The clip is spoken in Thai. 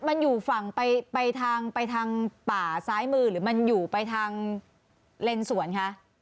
มันอยู่ฝั่งไปทางไปทางป่าซ้ายมือหรือมันอยู่ไปทางเลนสวนคะ